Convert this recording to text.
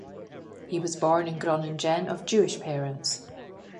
He was born in Groningen, of Jewish parents.